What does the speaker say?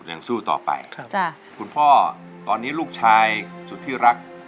แต่ตอนนี้เรายังสู้ต่อไปคุณพ่อตอนนี้ลูกชายสุธิรัก